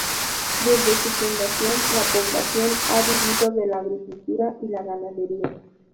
Desde su fundación, la población ha vivido de la agricultura y la ganadería.